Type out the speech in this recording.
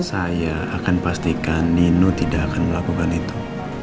saya akan pastikan nino tidak akan melakukan itu